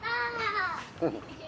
フフこんにちは。